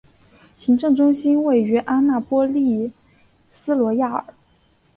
行政中心位于安纳波利斯罗亚尔。